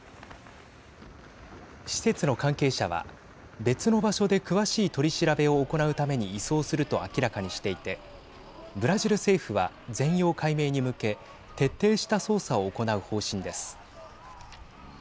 施設の関係者は別の場所で詳しい取り調べを行うために移送すると明らかにしていてブラジル政府は全容解明に向け徹底した捜査を行う方針です。